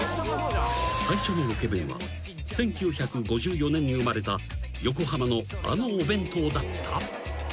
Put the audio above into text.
［最初のロケ弁は１９５４年に生まれた横浜のあのお弁当だった？］